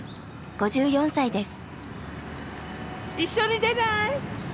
５４歳です。